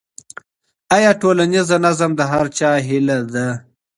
آیا ټولنیز نظم د هر چا هيله ده؟